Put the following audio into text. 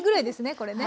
これね。